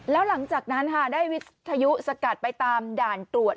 แล้วหลังจากนั้นค่ะได้วิทยุสกัดไปตามด่านตรวจ